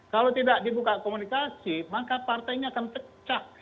kalau tidak dibuka komunikasi maka partainya akan pecah